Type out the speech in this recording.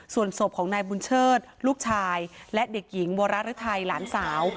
ส่วนศพของนายบุญเชิดลูกชายและเด็กหญิงวรึทัยหลานสาว